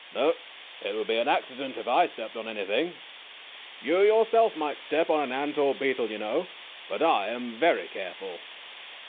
" No. It would be an accident if I stepped on anything. You yourself might step on an ant or a beetle, you know. But I am very careful.